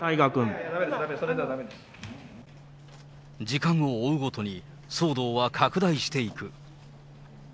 時間を追うごとに騒動は拡大していく。